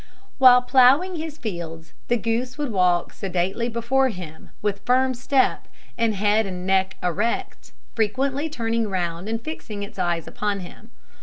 While ploughing his fields, the goose would walk sedately before him, with firm step, and head and neck erect frequently turning round and fixing its eyes upon him.